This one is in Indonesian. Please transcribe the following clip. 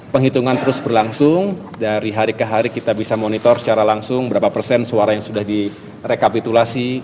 penghitungan terus berlangsung dari hari ke hari kita bisa monitor secara langsung berapa persen suara yang sudah direkapitulasi